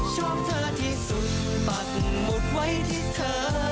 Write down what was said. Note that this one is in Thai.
ชอบเธอที่สุดปักหมุดไว้ที่เธอ